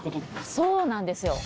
そうなんですよ。